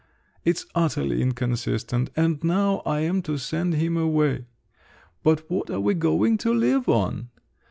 It's utterly inconsistent! And now I am to send him away! But what are we going to live on?